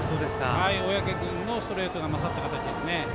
小宅君のストレートが勝った形ですね。